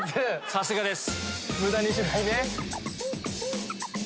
さすがです！